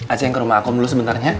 acing ke rumah aku dulu sebentarnya